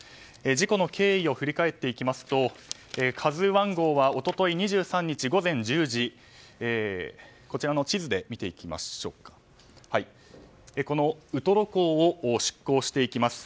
事故の経緯を振り返っていきますと「ＫＡＺＵ１号」は一昨日２３日、午前１０時こちらの地図で見ていきますがウトロ港を出港していきます。